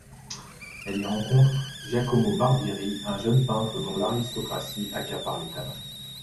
Elle y rencontre Giacomo Barbieri, un jeune peintre dont l'aristocratie accapare les talents.